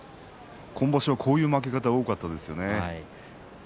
今場所はこういう負け方が多かったですよね。